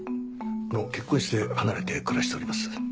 もう結婚して離れて暮らしております。